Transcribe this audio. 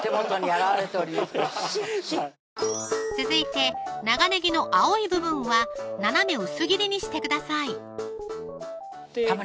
続いて長ねぎの青い部分は斜め薄切りにしてください